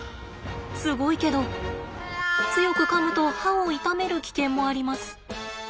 すごいけど強くかむと歯を痛める危険もあります。